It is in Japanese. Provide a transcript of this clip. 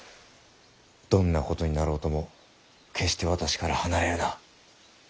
どんなことになろうとも決して私から離れるな。